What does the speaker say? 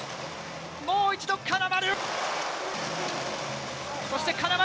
もう一度、金丸。